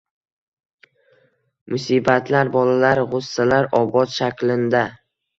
Musibatlar, balolalar, gʻussalar obod shaklinda